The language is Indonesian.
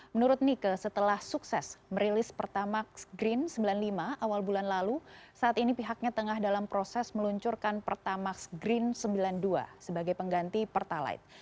menurut nike setelah sukses merilis pertamax green sembilan puluh lima awal bulan lalu saat ini pihaknya tengah dalam proses meluncurkan pertamax green sembilan puluh dua sebagai pengganti pertalite